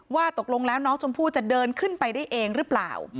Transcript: ว่าตกลงแล้วน้องชมพู่จะเดินขึ้นไปได้เองหรือเปล่า